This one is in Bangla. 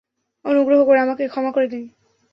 অনুগ্রহ করে আমাকে ক্ষমা করে দিন।